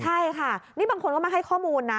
ใช่ค่ะนี่บางคนก็มาให้ข้อมูลนะ